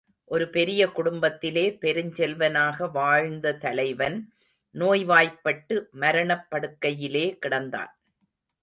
ஒரு பெரிய குடும்பத்திலே பெருஞ் செல்வனாக வாழ்ந்த தலைவன், நோய்வாய்ப்பட்டு மரணப் படுக்கையிலே கிடந்தான்.